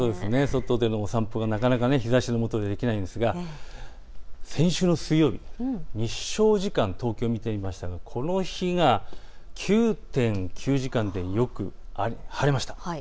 外でのお散歩がなかなか日ざしのもとでできないですが先週の水曜日、日照時間、東京を見てみますとこの日が９．９時間でよく晴れました。